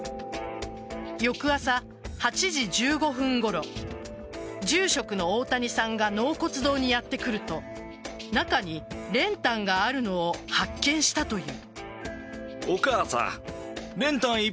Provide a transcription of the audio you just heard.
翌朝８時１５分ごろ住職の大谷さんが納骨堂にやって来ると中に練炭があるのを発見したという。